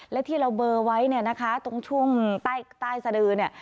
และที่เราเบอร์ไว้เนี่ยนะคะตรงช่วงใต้สดือเนี่ย